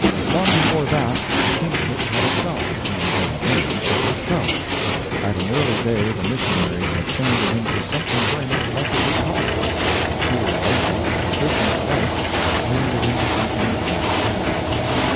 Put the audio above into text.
Long before that, the kingship had itself become but a name, a show. At an early day the missionaries had turned it into something very much like a republic; and here lately the business whites have turned it into something exactly like it.